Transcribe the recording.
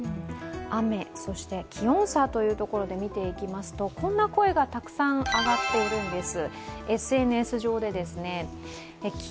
雨、そして気温差というところで見ていきますと、こんな声がたくさん上がっているんです。